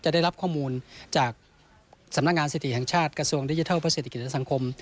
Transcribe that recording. ได้รับข้อมูลจากสำนักงานสถิติแห่งชาติกระทรวงดิจิทัลเพื่อเศรษฐกิจและสังคม